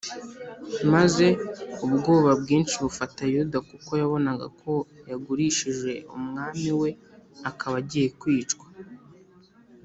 maze ubwoba bwinshi bufata yuda kuko yabonaga ko yagurishije umwami we akaba agiye kwicwa